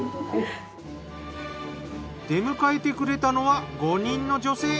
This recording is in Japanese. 出迎えてくれたのは５人の女性。